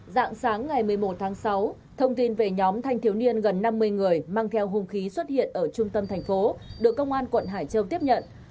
dạng sáng ngày một mươi một tháng sáu thông tin về nhóm thanh thiếu niên gần năm mươi người mang theo hung khí xuất hiện ở trung tâm thành phố được công an quận hải châu tiếp nhận